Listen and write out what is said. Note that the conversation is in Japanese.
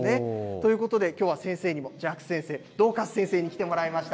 ということで、きょうは先生にも、ジャック先生、ドーカス先生に来てもらいました。